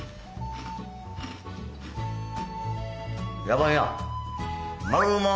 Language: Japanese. やばいな。